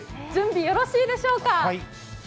準備、よろしいでしょうか。